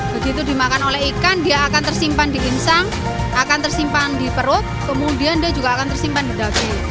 begitu dimakan oleh ikan dia akan tersimpan di insang akan tersimpan di perut kemudian dia juga akan tersimpan di daging